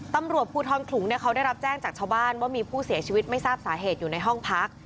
ตำรวจภูทรขลุงเขาได้รับแจ้งจากชาวบ้านว่ามีผู้เสียชีวิตไม่ทราบสาเหตุอยู่ในห้องพัก